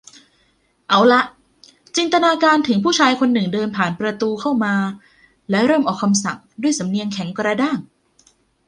เอาหล่ะ จินตนาการถึงผู้ชายคนหนึ่งเดินผ่านประตูเข้ามา และเริ่มออกคำสั่งด้วยสำเนียงแข็งกระด้าง